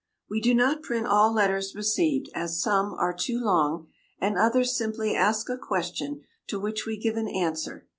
] We do not print all letters received, as some are too long, and others simply ask a question, to which we give an answer.